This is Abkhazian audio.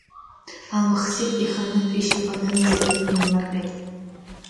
Алмахсиҭ иханытә ишьапанынӡа инаилнарҟьеит.